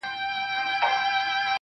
زما په ژوند کي د وختونو د بلا ياري ده.